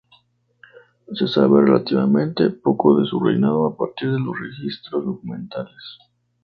Se sabe relativamente poco de su reinado a partir de los registros documentales.